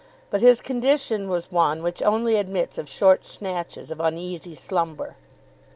But his condition was one which only admits of short snatches of uneasy slumber.